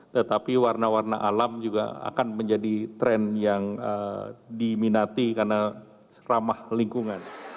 tetapi warna warna alam juga akan menjadi tren yang diminati karena ramah lingkungan